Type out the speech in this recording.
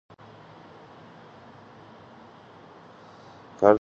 გარდა ამისა, „ჰაიბერიზე“ ასევე თამაშობდა ინგლისის საფეხბურთო ნაკრებს.